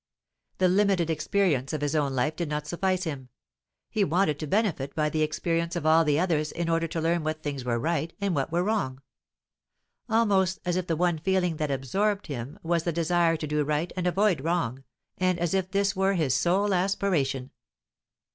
The limited experience of his own life did not suffice him; he wanted to benefit by the experience of all the others in order to learn what things were right and what were wrong; almost as if the one feeling that absorbed him was the desire to do right and avoid wrong, and as if this were his sole aspiration.